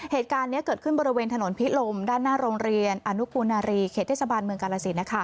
เหตุการณ์นี้เกิดขึ้นบริเวณถนนพิลมด้านหน้าโรงเรียนอนุปูนารีเขตเทศบาลเมืองกาลสิน